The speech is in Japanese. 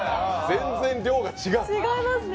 全然量が違う。